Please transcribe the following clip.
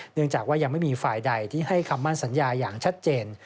เนื่องจากว่ายังไม่มีฝ่ายใดที่ให้คำมั่นสัญญาอย่างชัดเจน